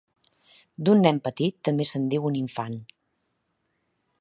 D'un nen petit també se'n diu un infant.